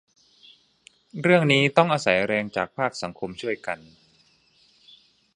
เรื่องนี้ต้องอาศัยแรงจากภาคสังคมช่วยกัน